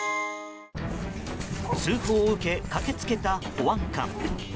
通報を受け駆け付けた保安官。